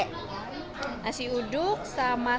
nasi uduk sama sambal kecombrang